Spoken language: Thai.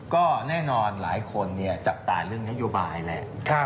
ก็แน่นอนหลายคนจับตาเรื่องนโยบายแหละ